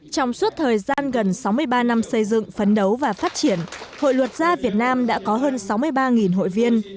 trong suốt thời gian gần sáu mươi ba năm xây dựng phấn đấu và phát triển hội luật gia việt nam đã có hơn sáu mươi ba hội viên